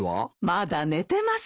まだ寝てますよ。